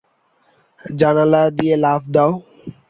জানালা দিয়ে লাফ দাও।